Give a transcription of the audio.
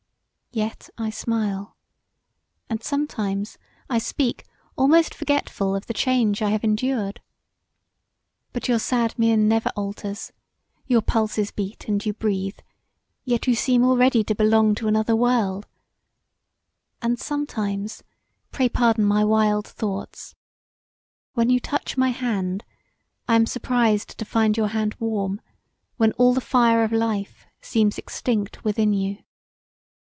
Yet I smile, and sometimes I speak almost forgetful of the change I have endured. But your sad mien never alters; your pulses beat and you breathe, yet you seem already to belong to another world; and sometimes, pray pardon my wild thoughts, when you touch my hand I am surprised to find your hand warm when all the fire of life seems extinct within you.